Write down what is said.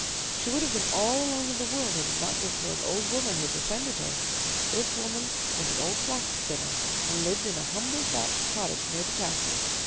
She would have been all alone in the world had it not been for an old woman who befriended her. This woman was an old flax spinner, and lived in a humble thatched cottage near the castle.